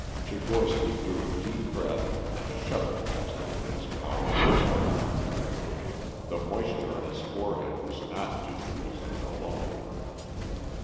Tchigorsky drew a deep breath and a shudder passed over his powerful frame. The moisture on his forehead was not due to the heat alone.